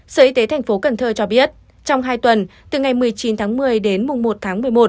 sở y tế thành phố cần thơ cho biết trong hai tuần từ ngày một mươi chín tháng một mươi đến một tháng một mươi một